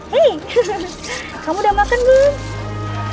hei kamu udah makan nih